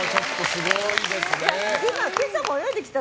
すごいですね！